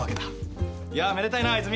いやめでたいな泉。